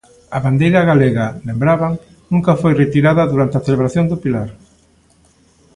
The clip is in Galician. A bandeira galega, "lembraban", "nunca foi retirada durante a celebración do Pilar".